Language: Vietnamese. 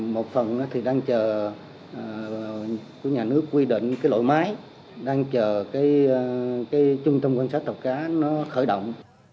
một phần thì đang chờ của nhà nước quy định cái lộ máy đang chờ cái trung tâm quan sát tàu cá nó khởi động